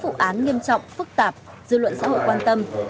vụ án nghiêm trọng phức tạp dư luận xã hội quan tâm